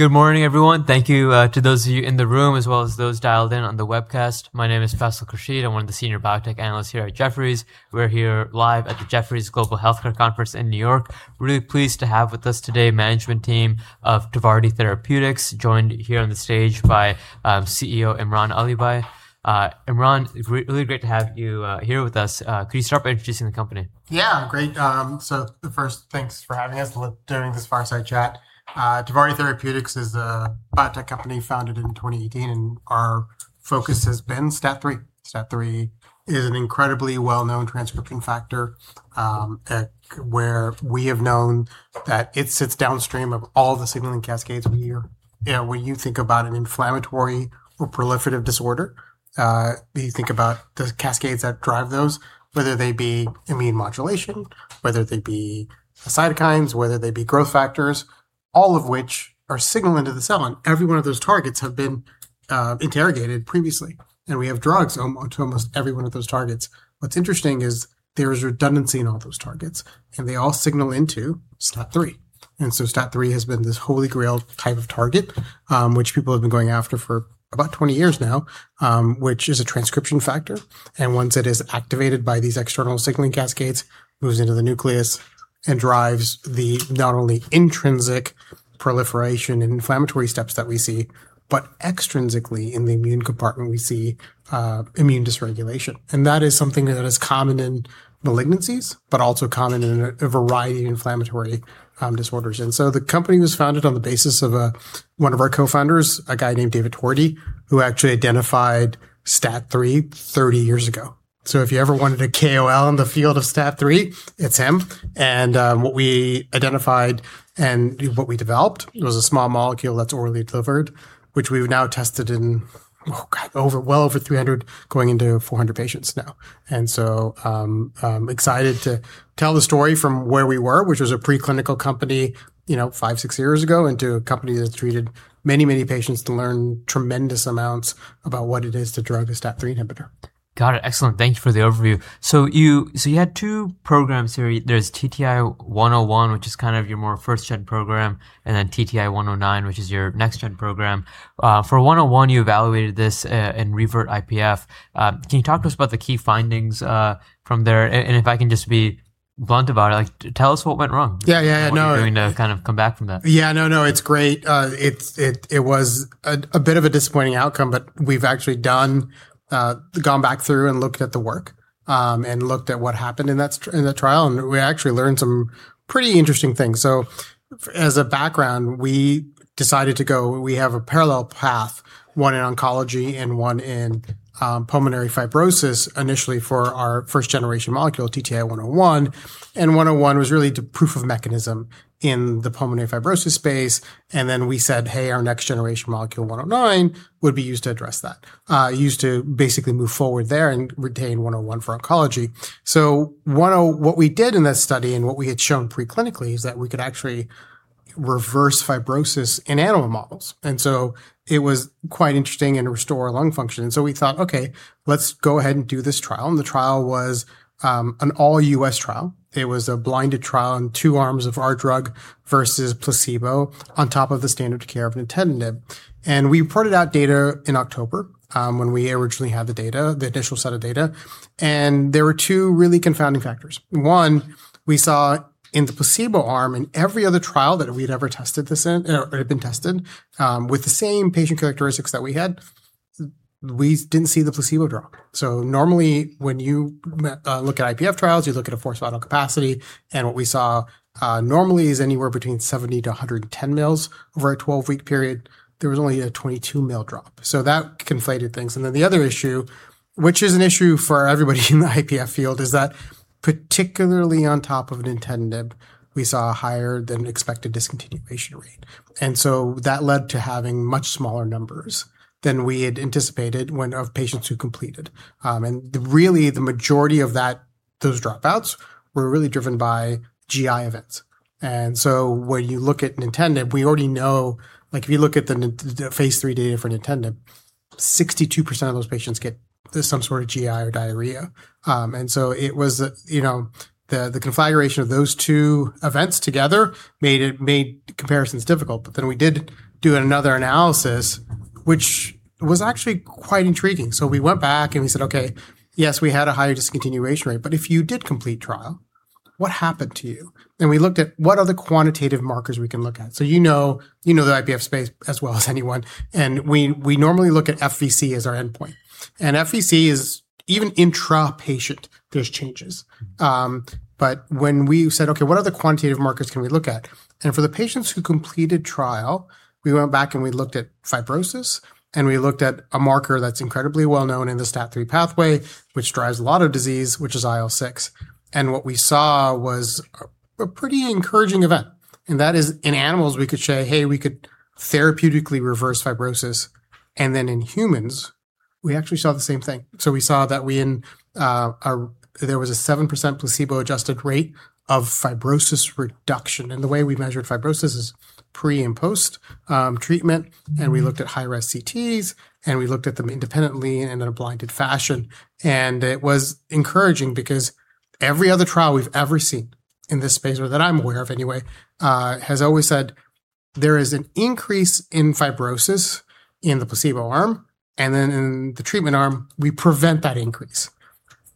Good morning, everyone. Thank you to those of you in the room, as well as those dialed in on the webcast. My name is Faisal Khurshid. I'm one of the senior biotech analysts here at Jefferies. We're here live at the Jefferies Global Healthcare Conference in New York. Really pleased to have with us today management team of Tvardi Therapeutics, joined here on the stage by CEO Imran Alibhai. Imran, really great to have you here with us. Could you start by introducing the company? Yeah. Great. First, thanks for having us doing this fireside chat. Tvardi Therapeutics is a biotech company founded in 2018, and our focus has been STAT3. STAT3 is an incredibly well-known transcription factor, where we have known that it sits downstream of all the signaling cascades we hear. When you think about an inflammatory or proliferative disorder, you think about the cascades that drive those, whether they be immune modulation, whether they be cytokines, whether they be growth factors, all of which are signaling to the cell. Every one of those targets have been interrogated previously, and we have drugs to almost every one of those targets. What's interesting is there is redundancy in all those targets, and they all signal into STAT3. STAT3 has been this holy grail type of target which people have been going after for about 20 years now, which is a transcription factor. Once it is activated by these external signaling cascades, moves into the nucleus and drives the not only intrinsic proliferation and inflammatory steps that we see, but extrinsically in the immune compartment, we see immune dysregulation. That is something that is common in malignancies, but also common in a variety of inflammatory disorders. The company was founded on the basis of one of our co-founders, a guy named David Tweardy, who actually identified STAT3 30 years ago. If you ever wanted a KOL in the field of STAT3, it's him. What we identified and what we developed was a small molecule that's orally delivered, which we've now tested in, oh, God, well over 300, going into 400 patients now. I'm excited to tell the story from where we were, which was a pre-clinical company five, six years ago, into a company that's treated many, many patients to learn tremendous amounts about what it is to drug a STAT3 inhibitor. Got it. Excellent. Thank you for the overview. You had two programs here. There's TTI-101, which is your more first-gen program, and then TTI-109, which is your next-gen program. For 101, you evaluated this in REVERT-IPF. Can you talk to us about the key findings from there? If I can just be blunt about it, tell us what went wrong. Yeah. No. What are you doing to come back from that? Yeah. No, no, it's great. It was a bit of a disappointing outcome, we've actually gone back through and looked at the work, and looked at what happened in that trial, and we actually learned some pretty interesting things. As a background, we decided to go, we have a parallel path, one in oncology and one in pulmonary fibrosis, initially for our first generation molecule, TTI-101. 101 was really the proof of mechanism in the pulmonary fibrosis space. Then we said, "Hey, our next generation molecule, 109, would be used to address that," used to basically move forward there and retain 101 for oncology. What we did in that study and what we had shown pre-clinically is that we could actually reverse fibrosis in animal models, and it was quite interesting, and restore lung function. We thought, "Okay, let's go ahead and do this trial." The trial was an all U.S. trial. It was a blinded trial in two arms of our drug versus placebo on top of the standard care of nintedanib. We reported out data in October, when we originally had the data, the initial set of data, and there were two really confounding factors. One, we saw in the placebo arm, in every other trial that we been tested the same, or been tested with the same patient characteristics that we had, we didn't see the placebo drop. Normally, when you look at IPF trials, you look at a forced vital capacity, and what we saw normally is anywhere between 70-110 mils over a 12-week period. There was only a 22 mil drop. That conflated things. The other issue, which is an issue for everybody in the IPF field, is that particularly on top of nintedanib, we saw a higher than expected discontinuation rate. That led to having much smaller numbers than we had anticipated of patients who completed. Really the majority of those dropouts were really driven by GI events. When you look at nintedanib, we already know if you look at the phase III data for nintedanib, 62% of those patients get some sort of GI or diarrhea. The conflagration of those two events together made comparisons difficult. We did do another analysis, which was actually quite intriguing. We went back and we said, "Okay, yes, we had a higher discontinuation rate, but if you did complete trial, what happened to you?" We looked at what are the quantitative markers we can look at. You know the IPF space as well as anyone, and we normally look at FVC as our endpoint. FVC is even intra-patient, there's changes. When we said, "Okay, what other quantitative markers can we look at?" For the patients who completed trial, we went back and we looked at fibrosis, and we looked at a marker that's incredibly well-known in the STAT3 pathway, which drives a lot of disease, which is IL-6. What we saw was a pretty encouraging event, and that is in animals, we could say, "Hey, we could therapeutically reverse fibrosis." Then in humans, we actually saw the same thing. We saw that there was a 7% placebo-adjusted rate of fibrosis reduction. The way we measured fibrosis is pre- and post-treatment, and we looked at high-res CTs, and we looked at them independently and in a blinded fashion. It was encouraging because every other trial we've ever seen in this space, or that I'm aware of anyway, has always said there is an increase in fibrosis in the placebo arm, and then in the treatment arm, we prevent that increase.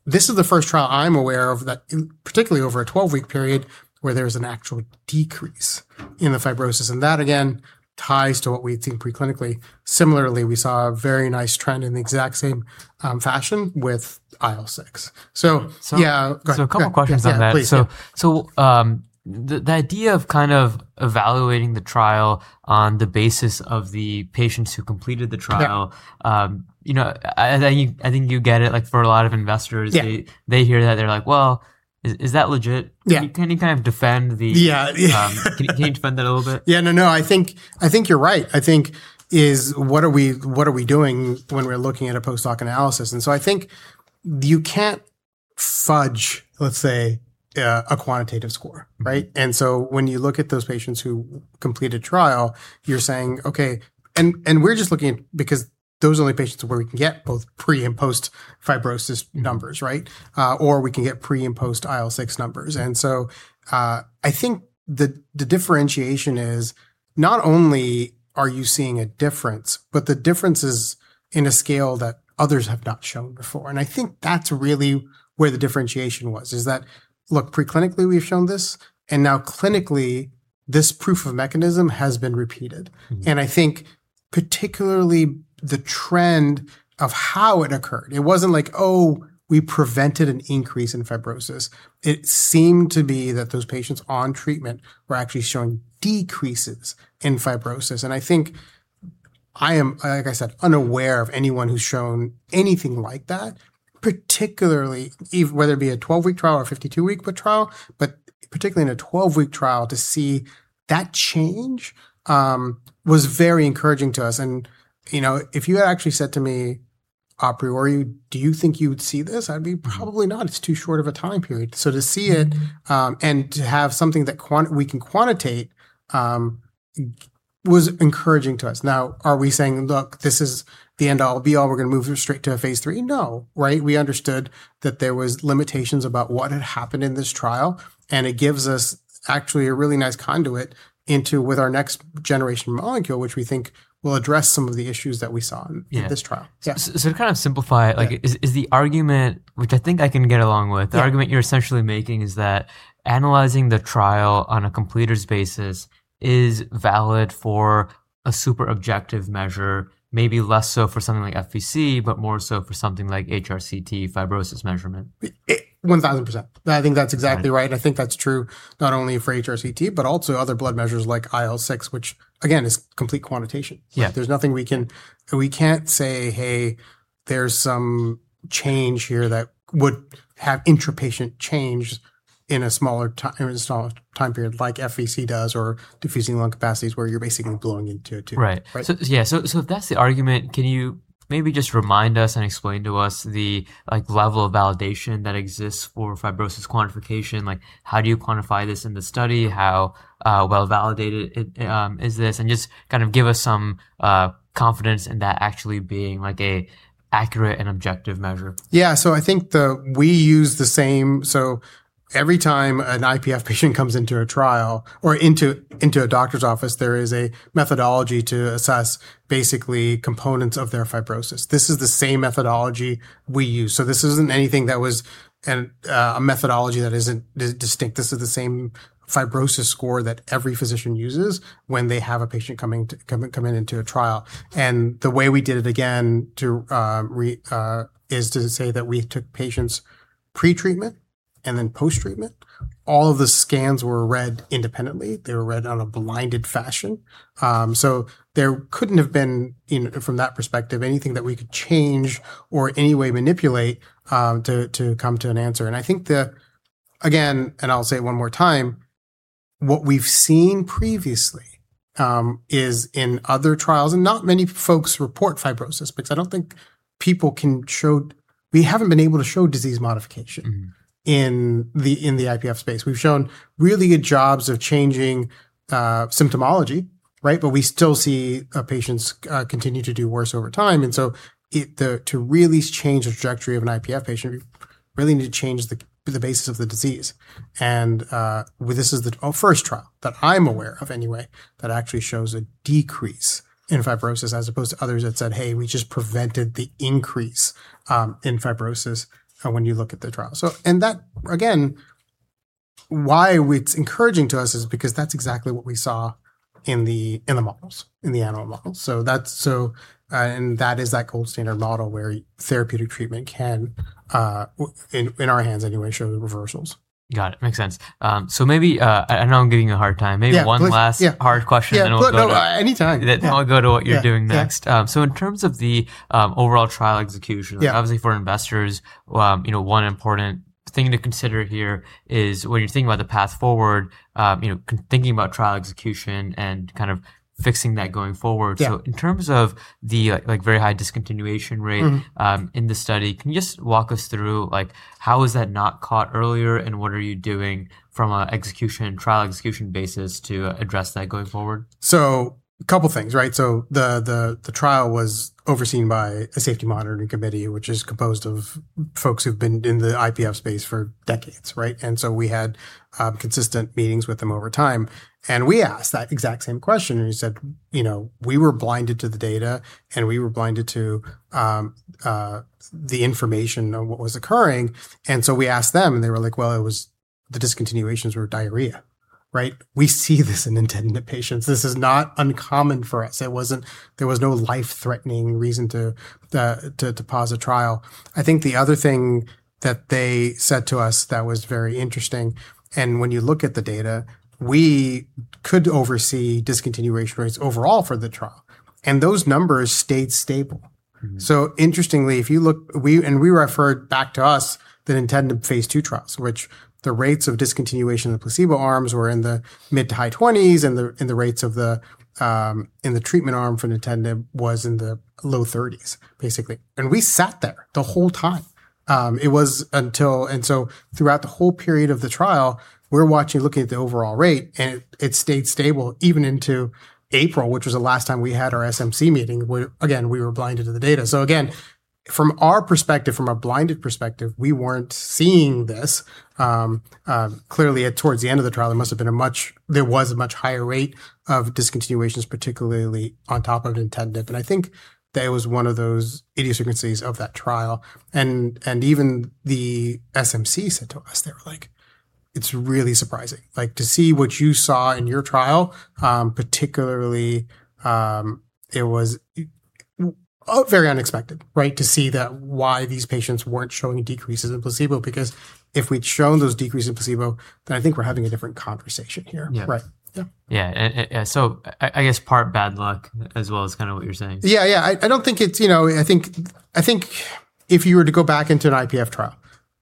This is the first trial I'm aware of that, particularly over a 12-week period, where there is an actual decrease in the fibrosis. That, again, ties to what we had seen pre-clinically. Similarly, we saw a very nice trend in the exact same fashion with IL-6. Yeah. A couple of questions on that. Yeah. Please. The idea of kind of evaluating the trial on the basis of the patients who completed the trial. Yeah. I think you get it, like for a lot of investors. Yeah. They hear that and they're like, "Well, is that legit? Yeah. Can you kind of defend the. Yeah. Can you defend that a little bit? Yeah. No, no. I think you're right. I think is, what are we doing when we're looking at a post hoc analysis? I think you can't fudge, let's say, a quantitative score, right? When you look at those patients who complete a trial, you're saying, okay. We're just looking at because those are the only patients where we can get both pre- and post-fibrosis numbers, right? Or we can get pre- and post-IL-6 numbers. I think the differentiation is not only are you seeing a difference, but the difference is in a scale that others have not shown before. I think that's really where the differentiation was, is that, look, pre-clinically, we've shown this, and now clinically, this proof of mechanism has been repeated. I think particularly the trend of how it occurred. It wasn't like, oh, we prevented an increase in fibrosis. It seemed to be that those patients on treatment were actually showing decreases in fibrosis. I think I am, like I said, unaware of anyone who's shown anything like that, particularly whether it be a 12-week trial or a 52-week trial, but particularly in a 12-week trial to see that change was very encouraging to us. If you had actually said to me, "A priori, do you think you would see this?" I'd be, "Probably not. It's too short of a time period. To have something that we can quantitate was encouraging to us. Are we saying, "Look, this is the end all, be all. We're going to move straight to a phase III?" No. Right? We understood that there was limitations about what had happened in this trial. It gives us actually a really nice conduit into with our next generation molecule, which we think will address some of the issues that we saw. Yeah. In this trial. Yeah. To kind of simplify. Yeah. Is the argument, which I think I can get along with. Yeah. The argument you're essentially making is that analyzing the trial on a completers basis is valid for a super objective measure, maybe less so for something like FVC, but more so for something like HRCT fibrosis measurement. 1,000%. I think that's exactly right. Right. I think that's true not only for HRCT, but also other blood measures like IL-6, which again, is complete quantitation. Yeah. There's nothing we can't say, hey, there's some change here that would have intra-patient change in a smaller time period like FVC does, or diffusing lung capacities where you're basically blowing into a tube. Right. Right? Yeah. If that's the argument, can you maybe just remind us and explain to us the level of validation that exists for fibrosis quantification? How do you quantify this in the study? How well validated is this? Just kind of give us some confidence in that actually being an accurate and objective measure. I think that we use the same, every time an IPF patient comes into a trial or into a doctor's office, there is a methodology to assess basically components of their fibrosis. This is the same methodology we use. This isn't anything that was a methodology that isn't distinct. This is the same fibrosis score that every physician uses when they have a patient come into a trial. The way we did it, again, is to say that we took patients pre-treatment and then post-treatment. All of the scans were read independently. They were read on a blinded fashion. There couldn't have been, from that perspective, anything that we could change or any way manipulate to come to an answer. I think, again, I'll say it one more time, what we've seen previously is in other trials. Not many folks report fibrosis, I don't think people can showed, we haven't been able to showed disease modification. In the IPF space. We've shown really good shows of changing symptomology, right? We still see patients continue to do worse over time. To really change the trajectory of an IPF patient, we really need to change the basis of the disease. This is the first trial that I'm aware of anyway, that actually shows a decrease in fibrosis as opposed to others that said, "Hey, we just prevented the increase in fibrosis when you look at the trial." That, again, why it's encouraging to us is because that's exactly what we saw in the models, in the animal models. That is that gold standard model where therapeutic treatment can, in our hands anyway, show the reversals. Got it. Makes sense. Maybe, I know I'm giving you a hard time. Yeah. Please. Maybe one last- Yeah. Hard question. We'll go to. Yeah. Anytime. Yeah. I'll go to what you're doing next. Yeah. In terms of the overall trial execution. Yeah. Obviously for investors, one important thing to consider here is when you're thinking about the path forward, thinking about trial execution, and kind of fixing that going forward. Yeah. In terms of the very high discontinuation rate. In the study, can you just walk us through how was that not caught earlier, and what are you doing from a trial execution basis to address that going forward? A couple things, right? The trial was overseen by a safety monitoring committee, which is composed of folks who've been in the IPF space for decades, right? We had consistent meetings with them over time, and we asked that exact same question, and we said, "We were blinded to the data, and we were blinded to the information on what was occurring." We asked them, and they were like, "Well, the discontinuations were diarrhea." Right? "We see this in nintedanib patients. This is not uncommon for us." There was no life-threatening reason to pause the trial. I think the other thing that they said to us that was very interesting, and when you look at the data, we could oversee discontinuation rates overall for the trial, and those numbers stayed stable. Interestingly, we referred back to us the nintedanib phase II trials, which the rates of discontinuation of the placebo arms were in the mid-to-high 20s, and the rates in the treatment arm for nintedanib was in the low 30s, basically. We sat there the whole time. It was until, throughout the whole period of the trial, we're watching, looking at the overall rate, and it stayed stable even into April, which was the last time we had our SMC meeting, where, again, we were blinded to the data. Again, from our perspective, from a blinded perspective, we weren't seeing this. Clearly, towards the end of the trial, it has been a much, there was a much higher rate of discontinuations, particularly on top of nintedanib, and I think that was one of those idiosyncrasies of that trial, and even the SMC said to us, they were like, "It's really surprising. To see what you saw in your trial, particularly, it was very unexpected to see why these patients weren't showing decreases in placebo because if we'd shown those decreases in placebo, I think we're having a different conversation here. Yeah. Right. Yeah. Yeah. I guess part bad luck as well is kind of what you're saying? Yeah. I think if you were to go back into an IPF trial,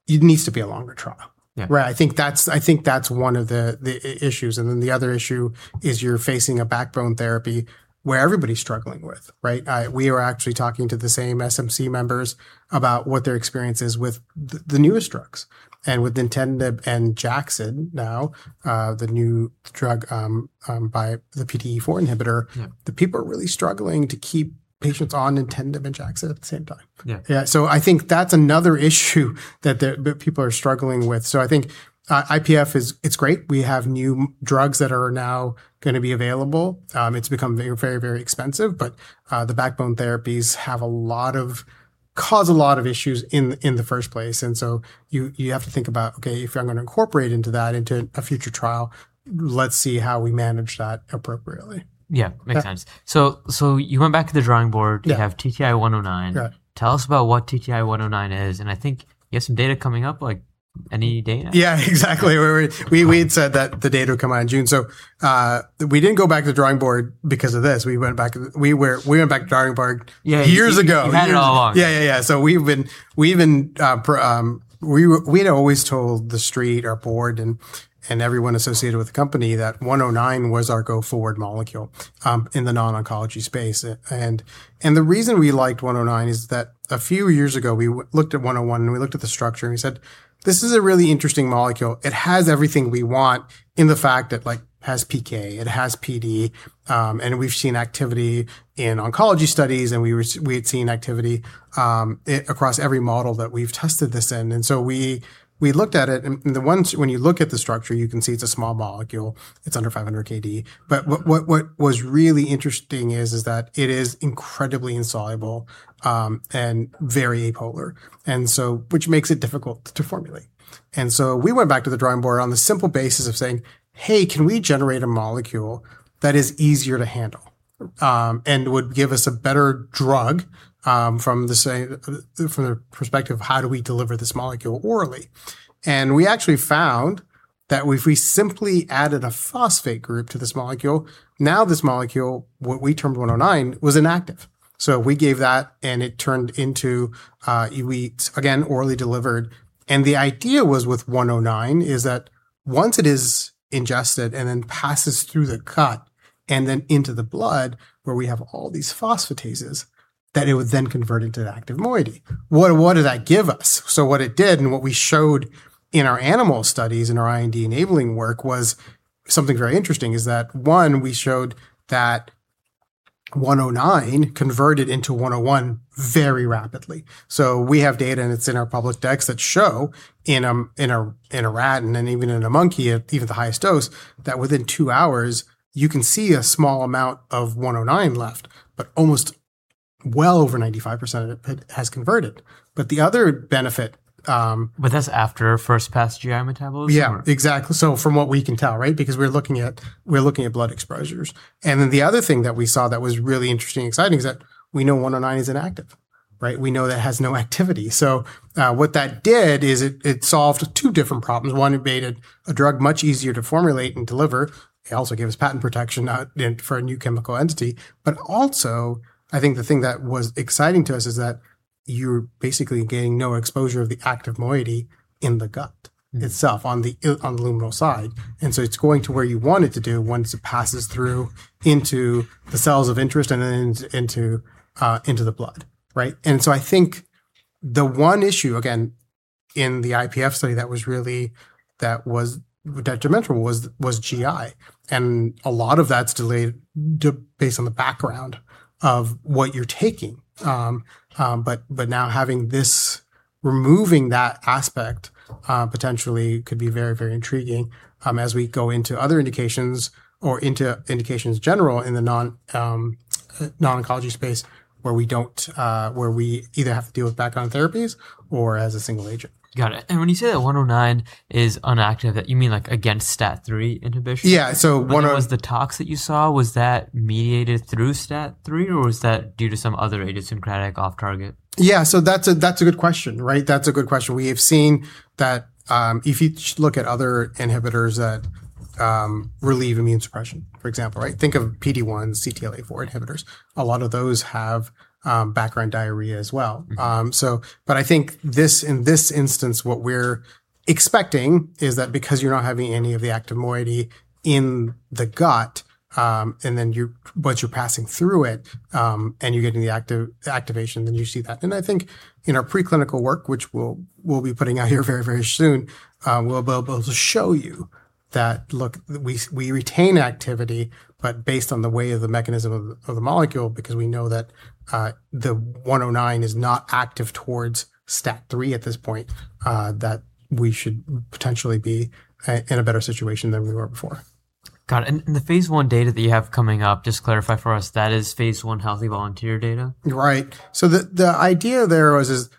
it needs to be a longer trial. Yeah. Right? I think that's one of the issues. The other issue is you're facing a backbone therapy where everybody's struggling with, right? We are actually talking to the same SMC members about what their experience is with the newest drugs. With nintedanib and Jascayd now, the new drug by the PDE4 inhibitor- Yeah. The people are really struggling to keep patients on nintedanib and Jascayd at the same time. Yeah. Yeah. I think that's another issue that people are struggling with. I think IPF is great. We have new drugs that are now going to be available. It's become very, very expensive, but the backbone therapies cause a lot of issues in the first place, you have to think about, "Okay, if I'm going to incorporate into that into a future trial, let's see how we manage that appropriately. Yeah. Makes sense. You went back to the drawing board. Yeah. You have TTI-109. Yeah. Tell us about what TTI-109 is, and I think you have some data coming up, like any day now? Yeah, exactly. We'd said that the data would come out in June, so we didn't go back to the drawing board because of this. We went back to the drawing board years ago. Yeah, you've had it all along. Yeah. We'd always told the street, our board, and everyone associated with the company that 109 was our go-forward molecule in the non-oncology space. The reason we liked 109 is that a few years ago, we looked at 101, and we looked at the structure, and we said, "This is a really interesting molecule. It has everything we want in the fact that it has PK, it has PD, and we've seen activity in oncology studies, we had seen activity across every model that we've tested this in." We looked at it, and when you look at the structure, you can see it's a small molecule. It's under 500 kDa. What was really interesting is that it is incredibly insoluble and very apolar, which makes it difficult to formulate. We went back to the drawing board on the simple basis of saying, "Hey, can we generate a molecule that is easier to handle and would give us a better drug from the perspective of how do we deliver this molecule orally?" We actually found that if we simply added a phosphate group to this molecule, now this molecule, what we termed 109, was inactive. We gave that, and it turned into, again, orally delivered. The idea was with 109 is that once it is ingested and then passes through the gut and then into the blood, where we have all these phosphatases, that it would then convert into the active moiety. What did that give us? What it did, and what we showed in our animal studies, in our IND-enabling work, was something very interesting is that, one, we showed that 109 converted into 101 very rapidly. We have data, and it's in our published decks, that show in a rat and in even in a monkey, at even the highest dose, that within two hours, you can see a small amount of 109 left, but almost well over 95% of it has converted. But the other benefit. That's after first pass GI metabolism, or? Yeah, exactly. From what we can tell, right? Because we're looking at blood exposures. The other thing that we saw that was really interesting, exciting, is that we know 109 is inactive. Right? We know that has no activity. What that did is it solved two different problems. One, it made a drug much easier to formulate and deliver. It also gave us patent protection for a new chemical entity. But also, I think the thing that was exciting to us is that you're basically getting no exposure of the active moiety in the gut itself, on the luminal side. It's going to where you want it to do once it passes through into the cells of interest and into the blood, right? I think the one issue, again, in the IPF study that was really detrimental was GI. A lot of that's delayed based on the background of what you're taking. Now having this, removing that aspect potentially could be very, very intriguing, as we go into other indications or into indications general in the non-oncology space, where we either have to deal with background therapies or as a single agent. Got it. When you say that 109 is inactive, you mean against STAT3 inhibition? Yeah. What was the tox that you saw? Was that mediated through STAT3, or was that due to some other idiosyncratic off-target? Yeah. That's a good question, right? That's a good question. We have seen that if you look at other inhibitors that relieve immune suppression, for example, think of PD-1, CTLA-4 inhibitors. A lot of those have background diarrhea as well. I think in this instance, what we're expecting is that because you're not having any of the active moiety in the gut, but you're passing through it, and you're getting the activation, then you see that. I think in our preclinical work, which we'll be putting out here very, very soon, we'll be able to show you that, look, we retain activity, but based on the way of the mechanism of the molecule, because we know that the 109 is not active towards STAT3 at this point, that we should potentially be in a better situation than we were before. Got it. The phase I data that you have coming up, just clarify for us, that is phase I healthy volunteer data? Right. The idea there was is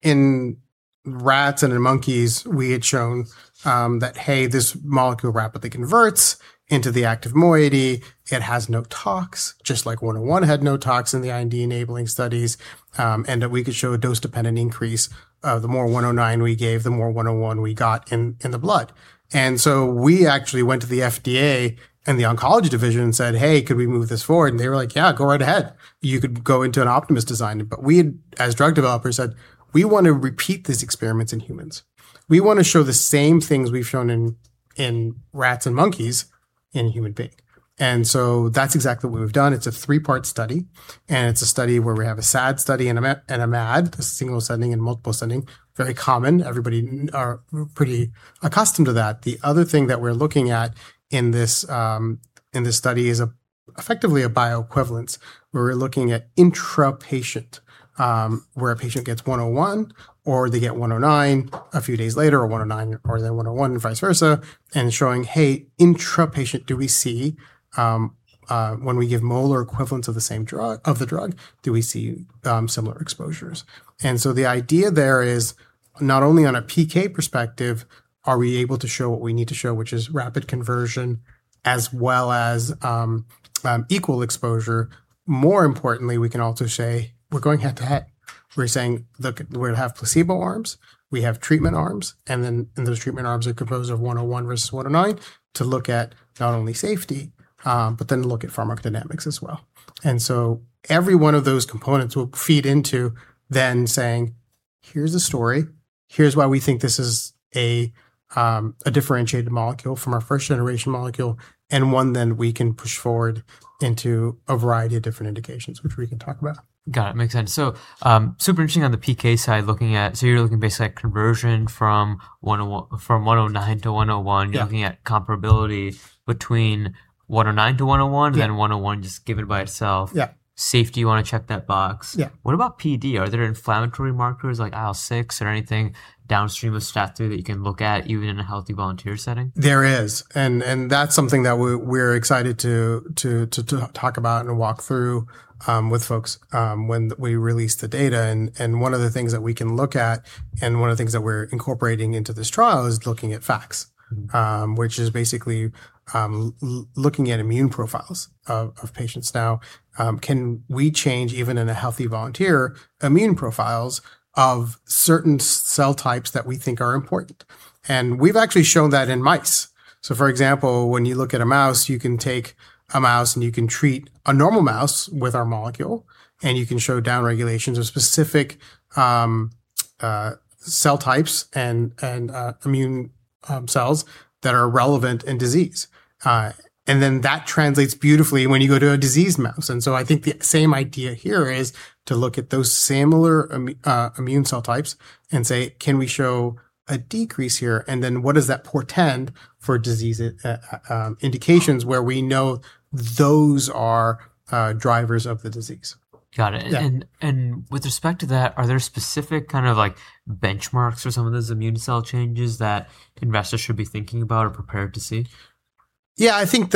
in rats and in monkeys, we had shown that, hey, this molecule rapidly converts into the active moiety. It has no tox, just like 101 had no tox in the IND-enabling studies, and that we could show a dose-dependent increase. The more 109 we gave, the more 101 we got in the blood. We actually went to the FDA and the oncology division and said, "Hey, could we move this forward?" They were like, "Yeah, go right ahead. You could go into an Optimus design." We as drug developers said, "We want to repeat these experiments in humans. We want to show the same things we've shown in rats and monkeys in a human being." That's exactly what we've done. It's a three-part study. It's a study where we have a SAD study and a MAD, a single ascending and multiple ascending. Very common. Everybody are pretty accustomed to that. The other thing that we're looking at in this study is effectively a bioequivalence, where we're looking at intra-patient, where a patient gets 101, or they get 109 a few days later, or 109, or their 101, and vice versa, and showing, hey, intra-patient, do we see, when we give molar equivalents of the drug, do we see similar exposures? The idea there is not only on a PK perspective are we able to show what we need to show, which is rapid conversion as well as equal exposure. More importantly, we can also say we're going head-to-head. We're saying, look, we have placebo arms, we have treatment arms, and then those treatment arms are composed of 101 versus 109 to look at not only safety, but then to look at pharmacodynamics as well. Every one of those components will feed into then saying, "Here's a story. Here's why we think this is a differentiated molecule from our first-generation molecule, and one then we can push forward into a variety of different indications," which we can talk about. Got it. Makes sense. Super interesting on the PK side. You're looking basically at conversion from 109 to 101. Yeah. You're looking at comparability between 109 to 101. Yeah. 101 just given by itself. Yeah. Safety, you want to check that box. Yeah. What about PD? Are there inflammatory markers like IL-6 or anything downstream of STAT3 that you can look at, even in a healthy volunteer setting? There is, and that's something that we're excited to talk about and walk through with folks when we release the data. One of the things that we can look at, and one of the things that we're incorporating into this trial is looking at FACS. Which is basically looking at immune profiles of patients. Can we change, even in a healthy volunteer, immune profiles of certain cell types that we think are important? We've actually shown that in mice. For example, when you look at a mouse, you can take a mouse and you can treat a normal mouse with our molecule, and you can show down regulations of specific cell types and immune cells that are relevant in disease. That translates beautifully when you go to a diseased mouse. I think the same idea here is to look at those similar immune cell types and say, "Can we show a decrease here?" What does that portend for disease indications where we know those are drivers of the disease? Got it. Yeah. With respect to that, are there specific benchmarks for some of those immune cell changes that investors should be thinking about or prepared to see? Yeah, I think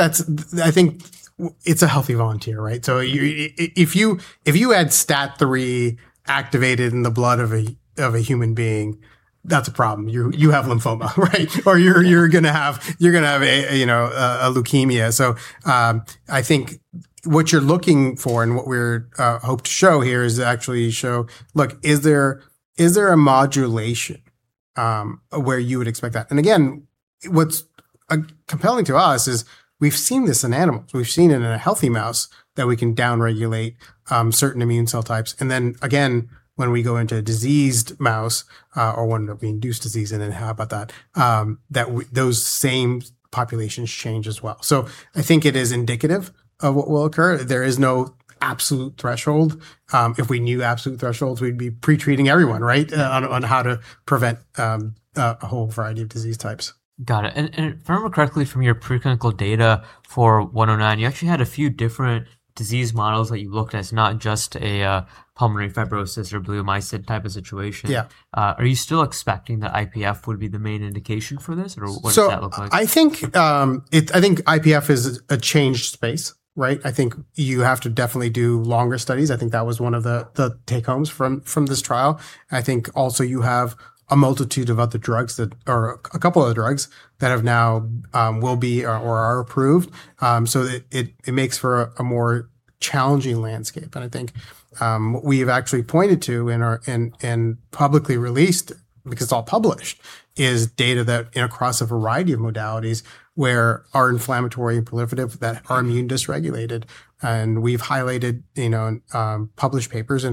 it's a healthy volunteer, right? If you had STAT3 activated in the blood of a human being, that's a problem. You have lymphoma, right? You're going to have a leukemia. I think what you're looking for and what we hope to show here is to actually show, look, is there a modulation where you would expect that? Again, what's compelling to us is we've seen this in animals. We've seen it in a healthy mouse that we can down-regulate certain immune cell types. Again, when we go into a diseased mouse, or one being induced disease and inhabit that, those same populations change as well. I think it is indicative of what will occur. There is no absolute threshold. If we knew absolute thresholds, we'd be pre-treating everyone, right, on how to prevent a whole variety of disease types. Got it. Pharmacologically from your preclinical data for 109, you actually had a few different disease models that you looked at, not just a pulmonary fibrosis or bleomycin type of situation. Yeah. Are you still expecting that IPF would be the main indication for this, or what does that look like? I think IPF is a changed space, right? I think you have to definitely do longer studies. I think that was one of the take-homes from this trial. I think also you have a multitude of other drugs, or a couple other drugs that have now will be or are approved. It makes for a more challenging landscape. I think what we've actually pointed to and publicly released, because it's all published, is data that across a variety of modalities where are inflammatory and proliferative, that are immune dysregulated, and we've highlighted published papers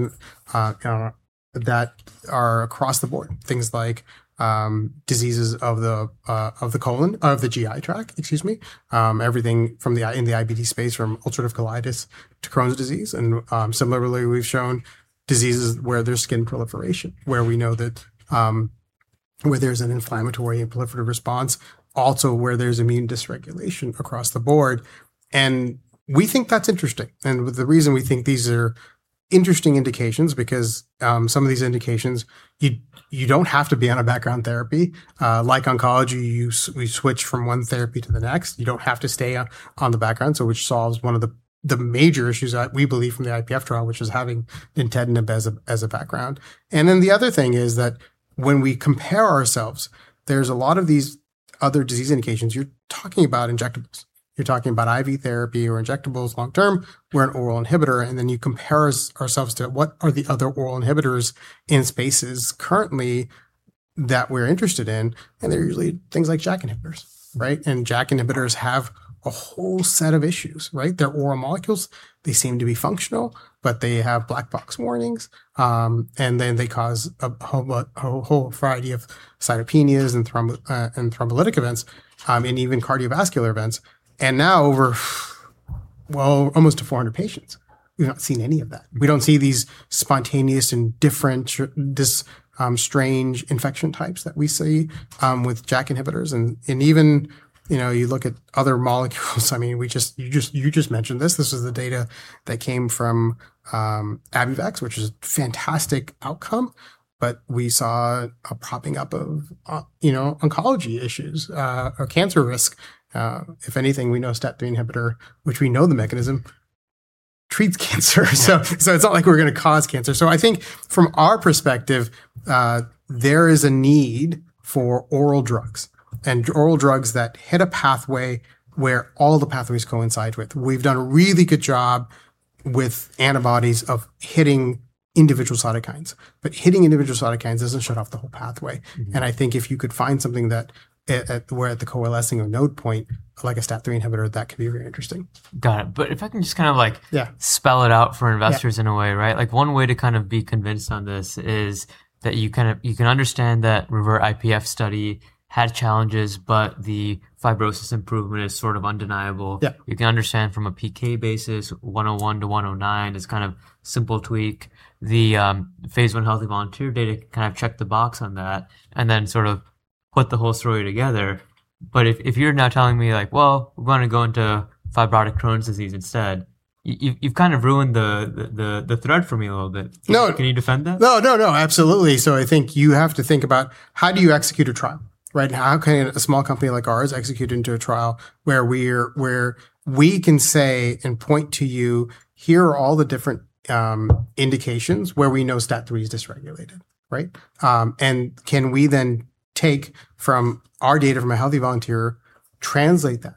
that are across the board. Things like diseases of the colon, of the GI tract, excuse me, everything in the IBD space, from ulcerative colitis to Crohn's disease. Similarly, we've shown diseases where there's skin proliferation, where we know that where there's an inflammatory and proliferative response, also where there's immune dysregulation across the board. We think that's interesting. The reason we think these are interesting indications, because some of these indications you don't have to be on a background therapy. Like oncology, we switch from one therapy to the next. You don't have to stay on the background, so which solves one of the major issues that we believe from the IPF trial, which is having nintedanib as a background. The other thing is that when we compare ourselves, there's a lot of these other disease indications. You're talking about injectables, you're talking about IV therapy or injectables long term. We're an oral inhibitor, you compare ourselves to what are the other oral inhibitors in spaces currently that we're interested in, they're usually things like JAK inhibitors, right? JAK inhibitors have a whole set of issues, right? They're oral molecules, they seem to be functional, they have black box warnings, they cause a whole variety of cytopenias and thromboembolic events, and even cardiovascular events. Now over, well, almost to 400 patients, we've not seen any of that. We don't see these spontaneous and different strange infection types that we see with JAK inhibitors and even, you look at other molecules. You just mentioned this. This is the data that came from Abivax, which is fantastic outcome, we saw a propping up of oncology issues, or cancer risk. If anything, we know STAT3 inhibitor, which we know the mechanism, treats cancer. Yeah. It's not like we're going to cause cancer. I think from our perspective, there is a need for oral drugs and oral drugs that hit a pathway where all the pathways coincide with. We've done a really good job with antibodies of hitting individual cytokines, but hitting individual cytokines doesn't shut off the whole pathway. I think if you could find something that at where, at the coalescing of node point, like a STAT3 inhibitor, that could be very interesting. Got it. If it is can a like- Yeah. Spell it out for investors in a way, right? Like one way to be convinced on this is that you can understand that REVERT-IPF study had challenges, but the fibrosis improvement is sort of undeniable. Yeah. You can understand from a PK basis, 101 to 109 is simple tweak. The phase I healthy volunteer data check the box on that, then put the whole story together. If you're now telling me like, "Well, we want to go into fibrotic Crohn's disease instead," you've ruined the thread for me a little bit. No. Can you defend that? No, no. Absolutely. I think you have to think about how do you execute a trial, right? How can a small company like ours execute into a trial where we can say and point to you, "Here are all the different indications where we know STAT3 is dysregulated," right? Can we then take from our data from a healthy volunteer, translate that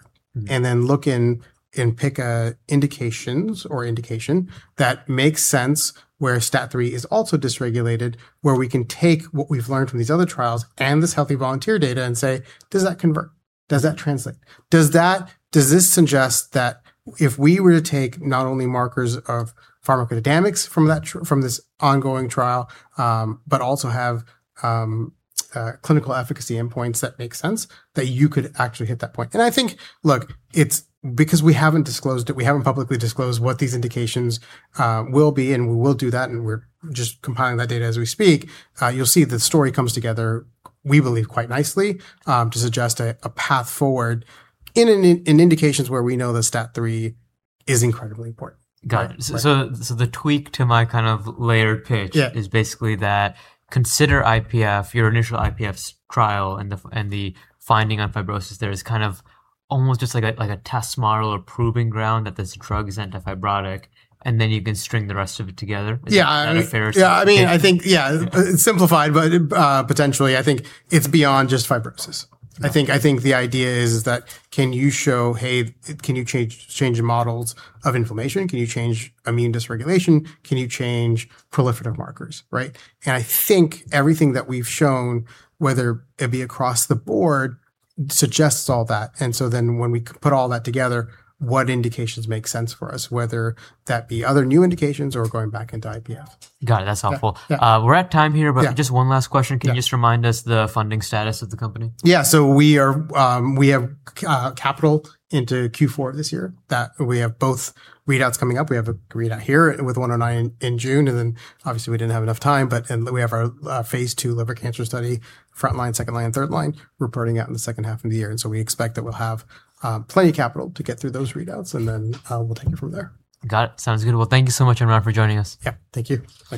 Look in and pick indications or indication that makes sense, where STAT3 is also dysregulated, where we can take what we've learned from these other trials and this healthy volunteer data and say, "Does that convert? Does that translate?" Does this suggest that if we were to take not only markers of pharmacodynamics from this ongoing trial, but also have clinical efficacy endpoints that make sense, that you could actually hit that point. I think, look, it's because we haven't disclosed it, we haven't publicly disclosed what these indications will be, and we will do that, and we're just compiling that data as we speak. You'll see the story comes together, we believe quite nicely, to suggest a path forward in indications where we know that STAT3 is incredibly important. Got it. The tweak to my layered pitch. Yeah. Is basically that consider IPF, your initial IPF trial, and the finding on fibrosis there as kind of almost just like a test model or proving ground that this drug is antifibrotic, and then you can string the rest of it together. Yeah. Is that a fair- Yeah. Take? I think, yeah. Simplified, but potentially, I think it's beyond just fibrosis. I think the idea is that can you show, hey, can you change models of inflammation? Can you change immune dysregulation? Can you change proliferative markers, right? I think everything that we've shown, whether it be across the board, suggests all that. When we put all that together, what indications make sense for us, whether that be other new indications or going back into IPF. Got it. That's helpful. Yeah. We're at time here. Yeah. Just one last question. Yeah. Can you just remind us the funding status of the company? We have capital into Q4 of this year that we have both readouts coming up. We have a readout here with 109 in June. Obviously, we don't have enough time. We have our phase II liver cancer study, frontline, second line, third line, reporting out in the second half of the year. We expect that we'll have plenty of capital to get through those readouts. We'll take it from there. Got it. Sounds good. Well, thank you so much, Imran, for joining us. Yeah. Thank you. Thanks.